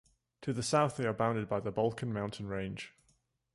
To the south they are bounded by the Balkan mountain range.